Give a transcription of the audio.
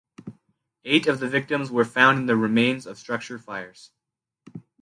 Eight of the victims were found in the remains of structure fires.